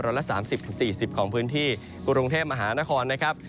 ละ๓๐๔๐ของพื้นที่กรุงเทพมหานครนะครับ